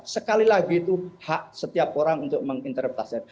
sekali lagi itu hak setiap orang untuk menginterpretasikan